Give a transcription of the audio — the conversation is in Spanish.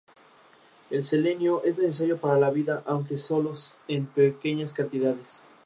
El selenio es necesario para la vida, aunque sólo en pequeñas cantidades.